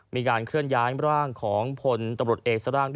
มีการเคลื่อนย้ายร่างของพลตำรวจเอกสร่าง